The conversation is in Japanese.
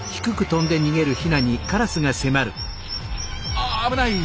あっ危ない！